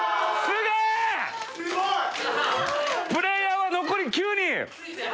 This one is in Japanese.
すごい！プレイヤーは残り９人。